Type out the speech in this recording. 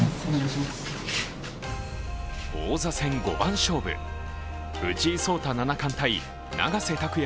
王座戦五番勝負、藤井聡太七冠対永瀬拓矢